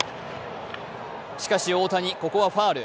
しかし大谷、ここはファウル。